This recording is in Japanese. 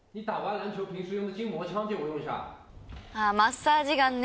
マッサージガンね。